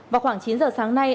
vào khoảng chín giờ sáng nay